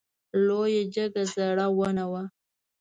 لویه جګه زړه ونه وه .